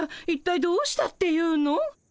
一体どうしたっていうの？